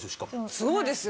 すごいですよね。